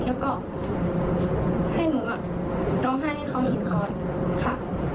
แล้วก็ให้หนูร้องไห้ให้เขาอิดก่อนค่ะ